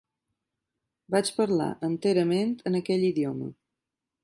Vaig parlar enterament en aquell idioma.